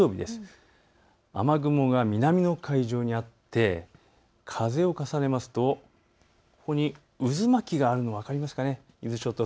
雨雲が南の海上にあって風を重ねますとここに渦巻きがあるのが分かりますか。